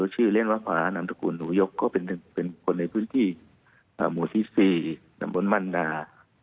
ชื่อเล่นวัฒวานำตระกุลหนุยกก็เป็นคนในพื้นที่สี่นำบ้อนมันดา